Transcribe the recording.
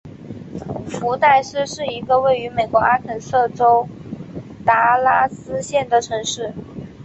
福代斯是一个位于美国阿肯色州达拉斯县的城市。